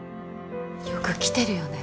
よく来てるよね